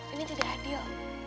ini tidak adil